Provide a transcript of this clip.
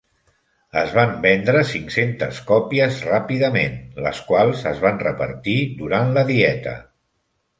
Es van vendre cinc-centes còpies ràpidament, les quals es van repartir durant la Dieta.